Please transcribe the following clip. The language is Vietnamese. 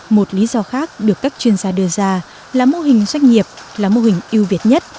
một lý do khác được các chuyên gia đưa ra là mô hình doanh nghiệp là mô hình yêu việt nhất